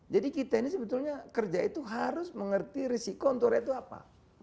jadi kita ini sebetulnya kerja itu harus mengerti risiko untuk itu apa